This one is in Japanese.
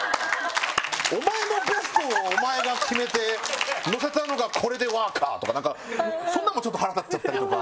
お前のベストをお前が決めて載せたのがこれで「うわぁ！」かとかなんかそんなんも腹立っちゃったりとか。